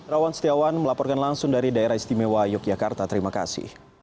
rawan setiawan melaporkan langsung dari daerah istimewa yogyakarta terima kasih